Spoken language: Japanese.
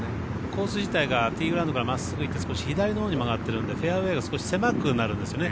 コース自体がティーグラウンドからまっすぐ行って少し左のところに曲がってるんでフェアウエー少し狭くなるんですよね。